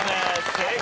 正解！